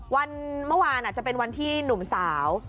วันเมื่อวานอาจจะเป็นวันที่หนุ่มสาว